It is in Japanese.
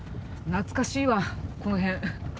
懐かしいわこの辺。